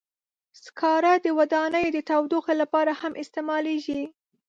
سکاره د ودانیو د تودوخې لپاره هم استعمالېږي.